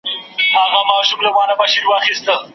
باریکي لري تمام دېوان زما